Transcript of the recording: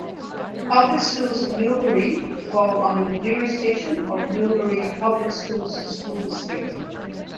Public schools in Millbury fall under the jurisdiction of Millbury Public Schools school district.